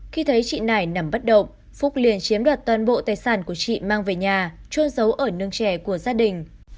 khi thấy chị nải nằm bất động phúc liền chiếm đoạt toàn bộ tài sản của chị mang về nhà trôn giấu ở nương trẻ của gia đình